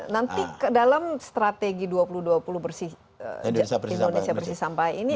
nanti dalam strategi dua ribu dua puluh bersih indonesia bersih sampah ini